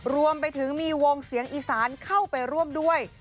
รวมไปถึงมีวงเสียงอีสานเข้าไปร่วมด้วย